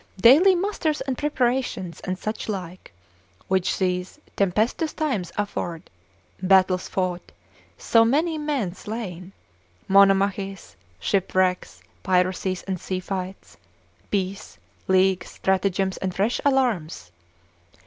daily musters and preparations, and such like, which these tempestuous times afford, battles fought, so many men slain, monomachies, shipwrecks, piracies and sea fights; peace, leagues, stratagems, and fresh alarms.